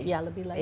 ya lebih lagi